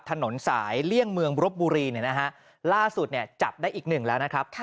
ถนนสายเลี่ยงเมืองบรบบุรีล่าสุดจับได้อีกหนึ่งแล้วนะครับ